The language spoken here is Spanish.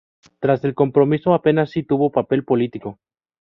Tras el compromiso apenas si tuvo papel político.